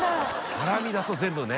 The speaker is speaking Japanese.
ハラミだと全部ね。